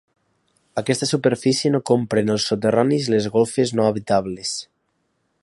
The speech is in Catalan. Aquesta superfície no comprèn els soterranis i les golfes no habitables.